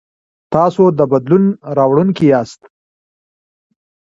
تاسو د بدلون راوړونکي یاست.